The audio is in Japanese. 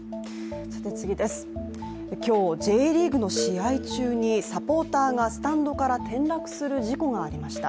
今日、Ｊリーグの試合中にサポーターがスタンドから転落する事故がありました。